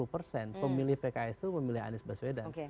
pemilih pks itu memilih anies baswedan